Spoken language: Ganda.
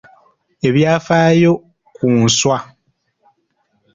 Ebyafaayo ku nswa.